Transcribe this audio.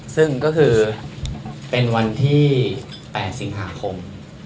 ซึ่งก็คือเป็นวันที่๘สิงหาคม